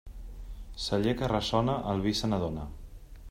Celler que ressona, el vi se n'adona.